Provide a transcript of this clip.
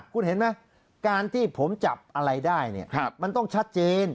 คุณเห็นไหมการที่ผมจับอะไรได้เนี่ยมันต้องชัดเจน